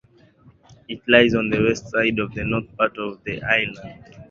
It lies on the west side of the north part of the island.